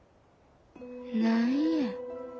何や。